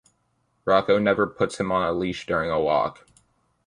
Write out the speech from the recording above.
Rocko never puts him on a leash during a walk.